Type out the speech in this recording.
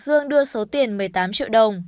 dương đưa số tiền một mươi tám triệu đồng